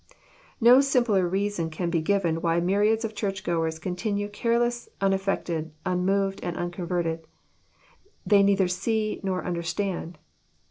No simpler reason can be given why myriads of church goers continue careless, unaffected, un moved, and unconverted: they neither "see" nor "under stand."